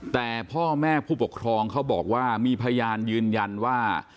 แต่พ่อแม่ผู้ปกครองเขาบอกว่ามีพยานยืนยันว่า